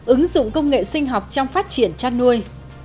ứng dụng công nghệ sinh học trong phát triển chăn nuôi